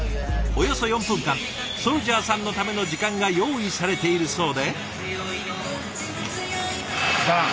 およそ４分間ＳＯＵＬＪＡＨさんのための時間が用意されているそうで。